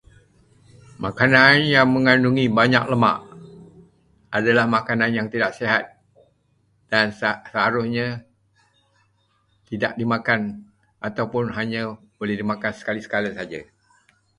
Makanan yang mengandungi banyak lemak adalah makanan yang tidak sihat dan seharusnya tidak dimakan atau hanya boleh dimakan sekali-sekala sahaja.